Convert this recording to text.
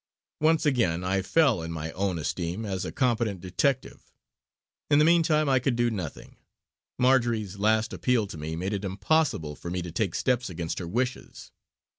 Once again I fell in my own esteem as a competent detective. In the meantime I could do nothing; Marjory's last appeal to me made it impossible for me to take steps against her wishes.